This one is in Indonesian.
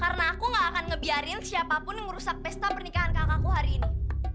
karena aku gak akan ngebiarin siapapun yang merusak pesta pernikahan kakakku hari ini